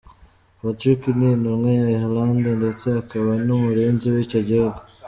Patrick ni intumwa ya Ireland ndetse akaba n’umurinzi w’icyo gihugu.